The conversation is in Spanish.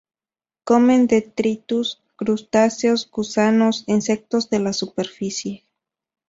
Comen detritus, crustáceos, gusanos, insectos de la superficie.